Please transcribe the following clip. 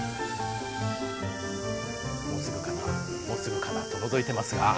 もうすぐかな、もうすぐかなとのぞいてますが。